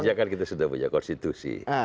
sejak kan kita sudah punya konstitusi